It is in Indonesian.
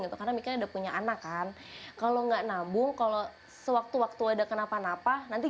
gitu karena mikir udah punya anak kan kalau enggak nabung kalau sewaktu waktu ada kenapa napa nanti